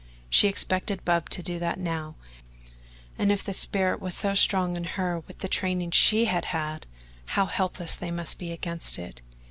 She expected Bub to do that now, and if the spirit was so strong in her with the training she had had, how helpless they must be against it.